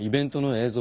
映像？